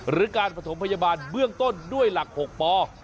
หรือการประถมพยาบาลเบื้องต้นด้วยหลัก๖ป